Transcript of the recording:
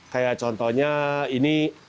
kayak contohnya ini